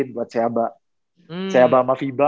buat seaba sama fiba